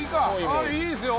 ああいいですよ。